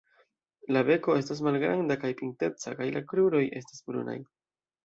La beko estas malgranda kaj pinteca kaj la kruroj estas brunaj.